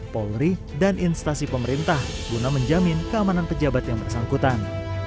polri dan instasi pemerintah guna menjamin keamanan pejabat yang bersangkutan